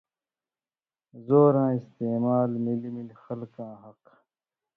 زوراں استعمال مِلیۡ مِلیۡ خلکاں حقہ